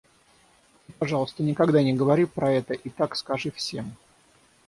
И, пожалуйста, никогда не говори про это и так скажи всем.